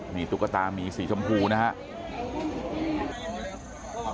นี่ตุ๊กตาหมีสีชมพูนะฮะ